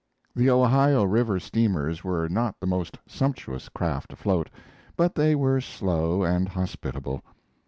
The Ohio River steamers were not the most sumptuous craft afloat, but they were slow and hospitable.